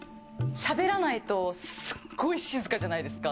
しゃべらないとすっごい静かじゃないですか。